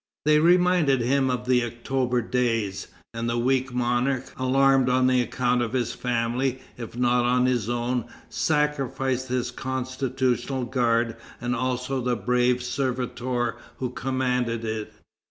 They reminded him of the October Days, and the weak monarch, alarmed on account of his family, if not on his own, sacrificed his Constitutional Guard and also the brave servitor who commanded it.